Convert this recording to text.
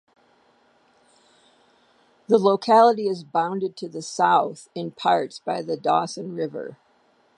The locality is bounded to the south in parts by the Dawson River.